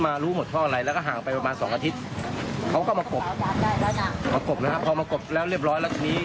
มากบนะครับพอมากบแล้วเรียบร้อยแล้วทีนี้